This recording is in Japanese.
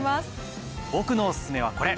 僕のおすすめはこれ！